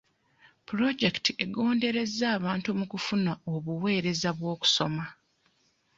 Puloojekiti egonderezza abantu mu kufuna obuweereza bw'okusoma.